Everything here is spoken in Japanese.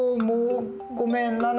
もうごめん。